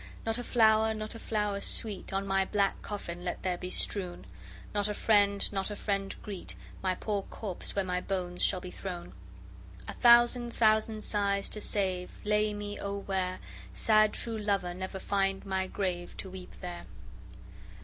Not a flower, not a flower sweet, On my black coffin let there be strewn: Not a friend, not a friend greet My poor corpse, where my bones shall be thrown. A thousand thousand sighs to save, lay me O where Sad true lover never find my grave, to weep there!